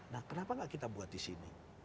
nah kenapa nggak kita buat di sini